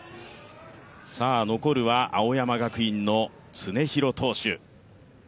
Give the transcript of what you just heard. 残るは青山学院の常廣投手。